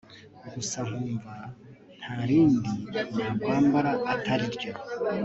gusa nkumva ntarindi nakwambara atari ryo